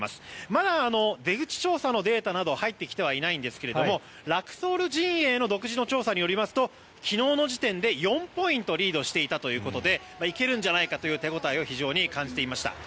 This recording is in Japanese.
まだ出口調査のデータなど入ってきてはいないんですがラクソール陣営の独自の調査によりますと昨日の時点で４ポイントリードしていたということで行けるんじゃないかという手応えを非常に感じていました。